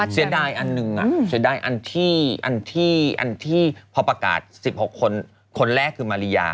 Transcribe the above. เสียดายอันที่พอประกาศ๑๖คนคนแรกคือมาริยา